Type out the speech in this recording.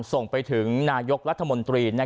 ส่งไปถึงนายกรัฐมนตรี